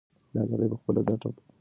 دا سړی په خپله ګټه پوهېږي.